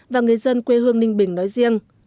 và người dân quê hương ninh bình nói riêng